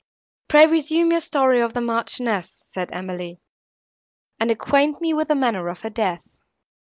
"Pray resume your story of the Marchioness," said Emily, "and acquaint me with the manner of her death."